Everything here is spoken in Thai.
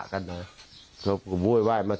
ไม่ได้แล้วสัตว์นี้หยิบป่าน